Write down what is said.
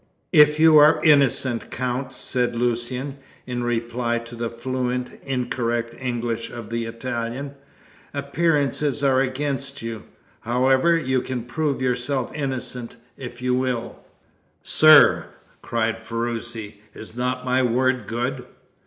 "If you are innocent, Count," said Lucian, in reply to the fluent, incorrect English of the Italian, "appearances are against you. However, you can prove yourself innocent, if you will." "Sir!" cried Ferruci, "is not my word good?"